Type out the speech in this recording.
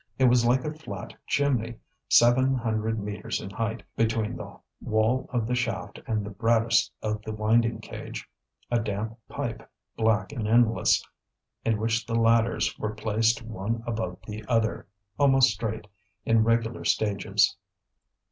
It was like a flat chimney, seven hundred metres in height, between the wall of the shaft and the brattice of the winding cage, a damp pipe, black and endless, in which the ladders were placed one above the other, almost straight, in regular stages.